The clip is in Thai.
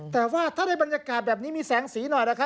แต่ว่าถ้าได้บรรยากาศแบบนี้มีแสงสีหน่อยนะครับ